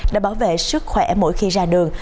đã bảo vệ sức khỏe mỗi khi ra đường